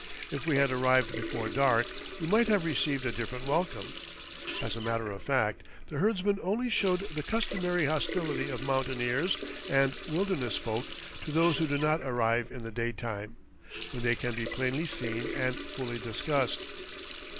If we had arrived before dark we might have received a different welcome. As a matter of fact, the herdsmen only showed the customary hostility of mountaineers and wilderness folk to those who do not arrive in the daytime, when they can be plainly seen and fully discussed.